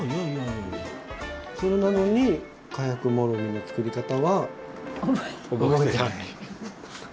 それなのにかやくもろみの作り方は。